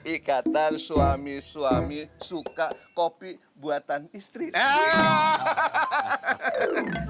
ikatan suami suami suka kopi buatan istri